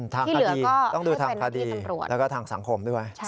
ทางคดีต้องดูทางคดีแล้วก็ทางสังคมด้วย